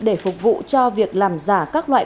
để phục vụ cho việc làm giả các loại